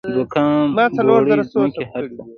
دوکان بوړۍ ځمکې هر څه.